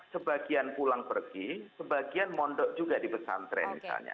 sebagian pulang pergi sebagian mondok juga di pesantren misalnya